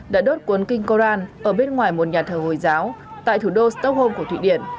đã đốt cuốn kinh koran ở bên ngoài một nhà thờ hồi giáo tại thủ đô stockholm của thụy điển